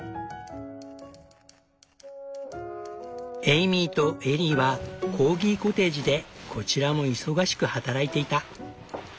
ＨｉＰａｄｄｙ．エイミーとエリーはコーギコテージでこちらも忙しく働いていた。